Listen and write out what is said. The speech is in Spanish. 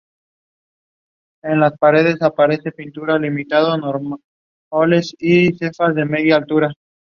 El "tribal house" aumentó la preponderancia de producciones en varios sellos.